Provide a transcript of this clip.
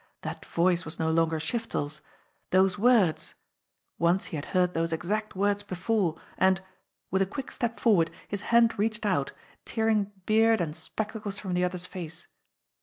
That voice was no longer Shiftel's. Those words ! Once he had heard those exact words before, and with a quick step forward, his hand reached out, tearing beard and spectacles from the other's face.